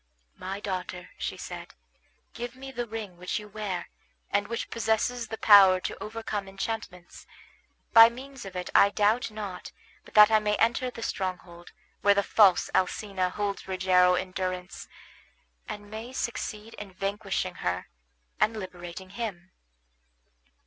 "My daughter," she said, "give me the ring which you wear, and which possesses the power to overcome enchantments. By means of it I doubt not but that I may enter the stronghold where the false Alcina holds Rogero in durance, and may succeed in vanquishing her and liberating him."